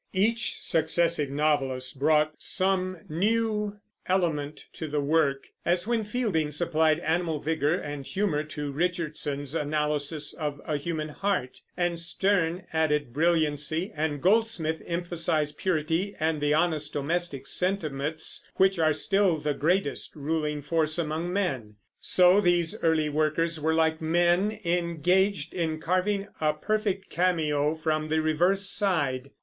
Each successive novelist brought some new element to the work, as when Fielding supplied animal vigor and humor to Richardson's analysis of a human heart, and Sterne added brilliancy, and Goldsmith emphasized purity and the honest domestic sentiments which are still the greatest ruling force among men. So these early workers were like men engaged in carving a perfect cameo from the reverse side.